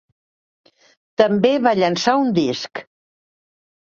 També va llençar un disc.